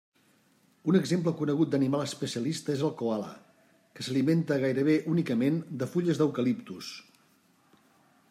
Un exemple conegut d'animal especialista és el coala, que s'alimenta gairebé únicament de fulles d'eucaliptus.